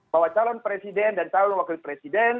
bahwa calon presiden dan calon wakil presiden